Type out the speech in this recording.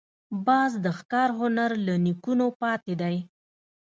باز د ښکار هنر له نیکونو پاتې دی